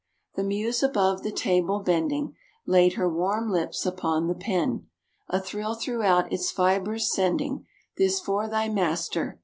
The Muse above the table bending, Laid her warm lips upon the Pen, A thrill throughout its fibres sending: "This for thy master."